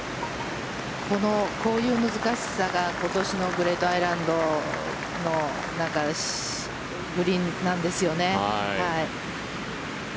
こういう難しさが今年のグレートアイランドのグリーンなんですよね。